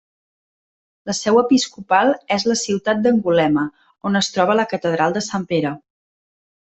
La seu episcopal és la ciutat d'Angulema, on es troba la catedral de sant Pere.